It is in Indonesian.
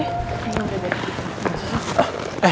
iya udah deh